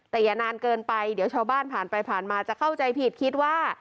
แต่อย่านานเกินไปเดี๋ยวชาวบ้านผ่านไปผ่านมาจะเข้าใจผิดคิดว่า